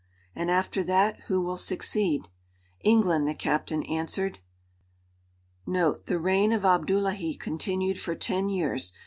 "And after that who will succeed?" "England," the captain answered.* [*The reign of Abdullahi continued for ten years.